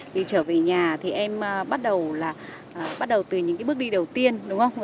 thì trở về nhà thì em bắt đầu là bắt đầu từ những cái bước đi đầu tiên đúng không ạ